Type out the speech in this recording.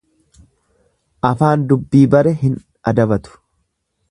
Afaan dubbii bare hin adabatu.